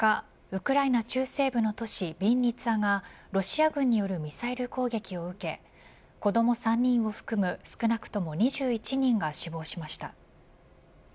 ウクライナ中西部の都市ビンニツァがロシア軍によるミサイル攻撃を受け子ども３人を含む少なくとも２１人が死亡しました。